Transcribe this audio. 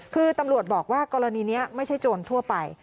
คือตำรวจบอกว่ากรณีนี้ไม่ใช่โจรทั่วไป